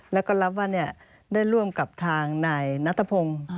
แล้วก็รับว่าได้ร่วมกับทางนายนัทพงศ์